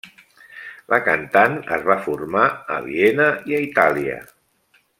La cantant es va formar a Viena i a Itàlia.